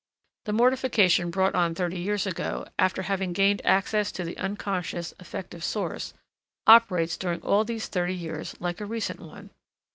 The mortification brought on thirty years ago, after having gained access to the unconscious affective source, operates during all these thirty years like a recent one.